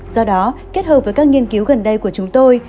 do đó kết hợp với các nghiên cứu gần đây của chúng tôi